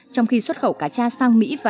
trong khi xuất khẩu cacha sang mỹ và eu sụt giảm